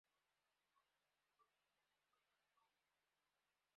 তারপর সে সেখানে অবস্থান করতে থাকল।